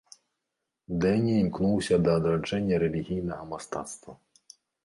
Дэні імкнуўся да адраджэння рэлігійнага мастацтва.